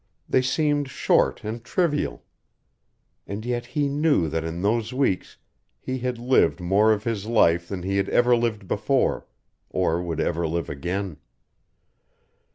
They seemed short and trivial. And yet he knew that in those weeks he had lived more of his life than he had ever lived before, or would ever live again.